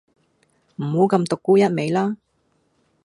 唔好咁獨沽一味啦